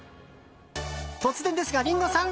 突然ですが、リンゴさん。